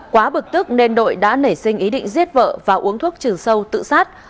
quá bực tức nên đội đã nảy sinh ý định giết vợ và uống thuốc trừ sâu tự sát